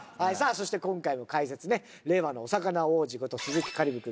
そして今回も解説ね令和のお魚王子こと鈴木香里武君です